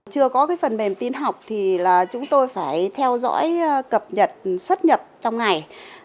chưa có phần mềm tin học thì chúng tôi phải theo dõi cập nhật xuất nhập trong ngày